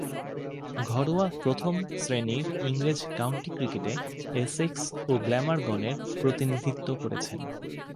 ঘরোয়া প্রথম-শ্রেণীর ইংরেজ কাউন্টি ক্রিকেটে এসেক্স ও গ্ল্যামারগনের প্রতিনিধিত্ব করেছেন।